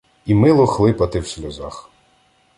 І мило хлипати в сльозах.